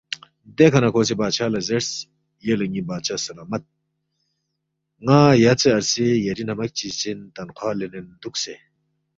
دیکھہ نہ کھو سی بادشاہ لہ زیرس، یلے ن٘ی بادشاہ سلامت ن٘ا یاژے عرصے یری نمک چی زین تنخواہ لینین دُوکسے